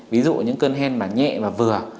ví dụ những cơn hen mà nhẹ và vừa